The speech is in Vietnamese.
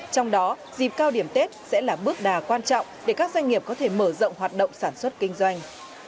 trong đó dịp cao điểm tết sẽ là bước đà quan trọng để các doanh nghiệp có thể mở rộng hoạt động sản xuất kinh doanh